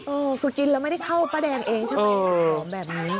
เออคือกินแล้วไม่ได้เข้าป้าแดงเองใช่ไหม